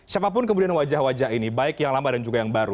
siapapun kemudian wajah wajah ini baik yang lama dan juga yang baru